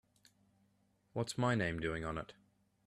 What's my name doing on it?